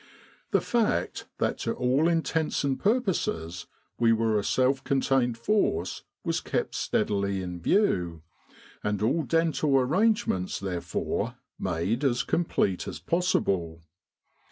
The fact that to all intents and purposes we were a self contained force was kept steadily in view, and all dental arrangements there fore made as complete as possible.